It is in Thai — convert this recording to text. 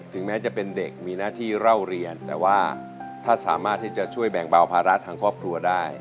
แม้จะเป็นเด็กมีหน้าที่เล่าเรียนแต่ว่าถ้าสามารถที่จะช่วยแบ่งเบาภาระทางครอบครัวได้